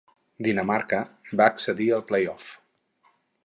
Dinamarca va accedir als playoff.